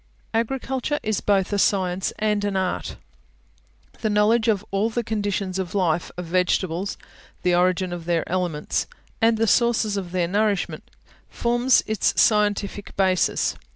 Agriculture is both a science and an art. The knowledge of all the conditions of the life of vegetables, the origin of their elements, and the sources of their nourishment, forms its scientific basis.